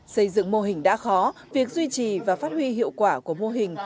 xây dựng mô hình đã khó việc duy trì và phát huy hiệu quả của mô hình